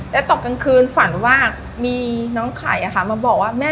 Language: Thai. แล้วตกกลางคืนฝันว่ามีน้องไข่มาบอกว่าแม่